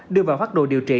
đưa vào phát đồ điều trị